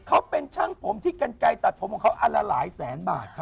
เขาเป็นช่างผมที่กันไกลตัดผมของเขาอันละหลายแสนบาทครับ